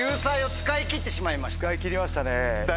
使い切りましたね。